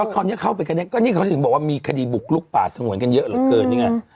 คราวนี้เข้าไปกันได้ก็นี่เขาถึงบอกว่ามีคดีบุกลุกป่าสงวนกันเยอะเหลือเกินนี่ไง